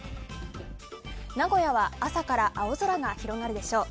名古屋は朝から青空が広がるでしょう。